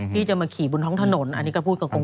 ที่จะมาขี่บนท้องถนนอันนี้ก็พูดตรง